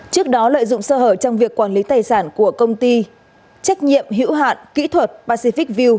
trước đó lợi dụng sơ hở trong việc quản lý tài sản của công ty trách nhiệm hữu hạn kỹ thuật pacific view